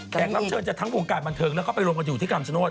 รับเชิญจะทั้งวงการบันเทิงแล้วก็ไปรวมกันอยู่ที่คำชโนธ